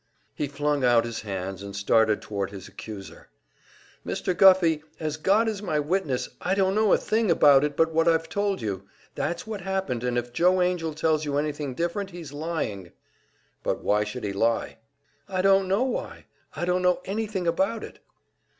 He flung out his hands and started toward his accuser. "Mr. Guffey, as God is my witness, I don't know a thing about it but what I've told you. That's what happened, and if Joe Angell tells you anything different he's lying." "But why should he lie?" "I don't know why; I don't know anything about it!"